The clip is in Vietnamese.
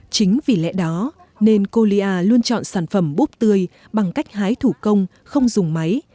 chính vì lẽ đó nên colia luôn chọn sản phẩm búp tươi bằng cách hái thủ công không dùng máy